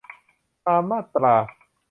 ตามมาตรา